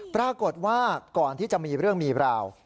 ปรากฏว่าก่อนที่จะมีเรื่องมีราว